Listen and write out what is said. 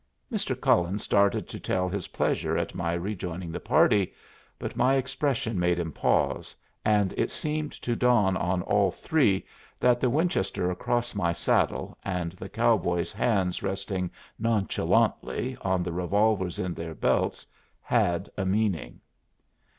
Mr. Cullen started to tell his pleasure at my rejoining the party, but my expression made him pause, and it seemed to dawn on all three that the Winchester across my saddle, and the cowboys' hands resting nonchalantly on the revolvers in their belts, had a meaning.